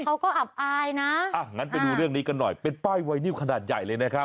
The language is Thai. อับอายนะอ่ะงั้นไปดูเรื่องนี้กันหน่อยเป็นป้ายไวนิวขนาดใหญ่เลยนะครับ